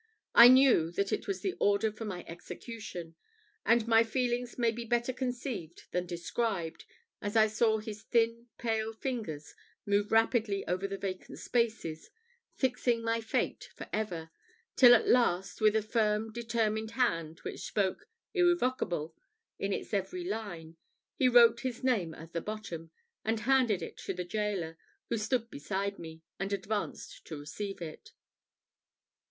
I knew that it was the order for my execution; and my feelings may be better conceived than described, as I saw his thin, pale fingers move rapidly over the vacant spaces, fixing my fate for ever, till at last, with a firm determined hand, which spoke "irrevocable" in its every line, he wrote his name at the bottom, and handed it to the gaoler, who stood beside me, and advanced to receive it.